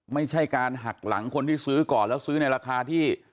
ไม่ใช่การหักหลังคนที่ซื้อก่อนแล้วซื้อในราคาที่